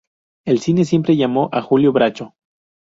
El cine siempre llamó a Julio Bracho.